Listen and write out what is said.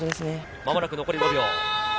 間もなく残り５秒。